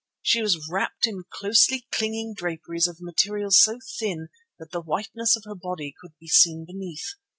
She was wrapped in closely clinging draperies of material so thin that the whiteness of her body could be seen beneath.